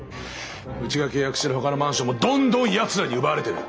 うちが契約してるほかのマンションもどんどんヤツらに奪われてる。